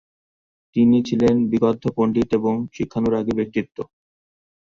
তিনি ছিলেন বিদগ্ধ পণ্ডিত এবং শিক্ষানুরাগী ব্যক্তিত্ব।